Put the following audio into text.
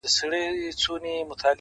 عادتونه د انسان راتلونکی لیکي،